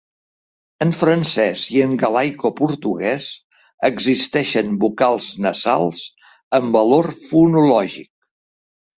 En francès i en galaicoportuguès existeixen vocals nasals amb valor fonològic.